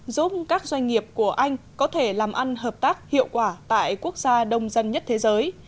giúp các doanh nghiệp của anh có thể làm ăn hợp tác hiệu quả tại quốc gia đông dân nhất thế giới